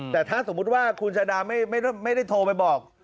แต่ถ้าสมมุติว่าคุณชาดาไม่ได้โทรไปบอก